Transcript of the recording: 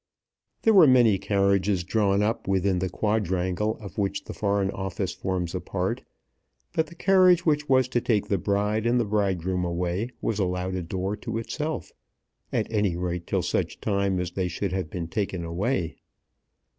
There were many carriages drawn up within the quadrangle of which the Foreign Office forms a part, but the carriage which was to take the bride and the bridegroom away was allowed a door to itself, at any rate till such time as they should have been taken away.